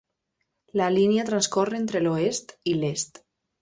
La línia transcorre entre l'oest i l'est.